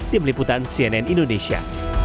di meliputan cnn indonesia